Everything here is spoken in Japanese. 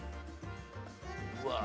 うわ